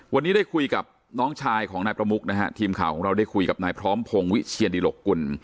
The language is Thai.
วันนี้ได้คุยกับน้องชายของนายประมุกนะฮะทีมข่าวของเราได้คุยกับนายพร้อมพงศ์วิเชียดิหลกกุล